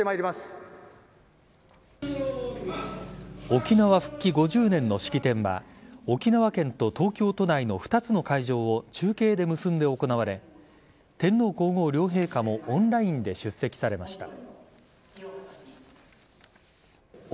沖縄復帰５０年の式典は沖縄県と東京都内の２つの会場を中継で結んで行われ天皇皇后両陛下もオンラインで出席されました。